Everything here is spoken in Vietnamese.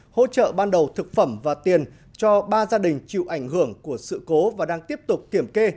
hỗ trợ ban đầu thực phẩm và tiền cho ba gia đình chịu ảnh hưởng của sự cố và đang tiếp tục kiểm kê